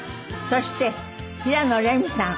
そして平野レミさん